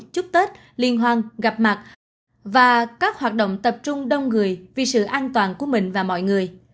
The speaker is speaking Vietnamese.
chúc tết liên hoan gặp mặt và các hoạt động tập trung đông người vì sự an toàn của mình và mọi người